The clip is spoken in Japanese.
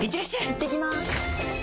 いってきます！